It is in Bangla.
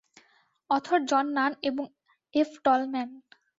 অথর জন নান এবং এফ টলম্যান।